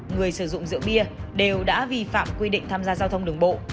người sử dụng rượu bia đều đã vi phạm quy định tham gia giao thông đường bộ